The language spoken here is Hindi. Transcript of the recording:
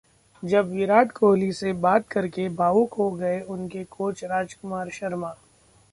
जब विराट कोहली से बात करके भावुक हो गए उनके कोच राजकुमार शर्मा